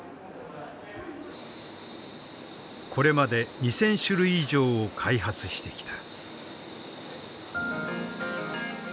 これまで２，０００種類以上を開発してきた。